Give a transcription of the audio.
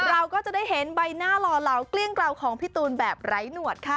เราก็จะได้เห็นใบหน้าหล่อเหลาเกลี้ยงกล่าวของพี่ตูนแบบไร้หนวดค่ะ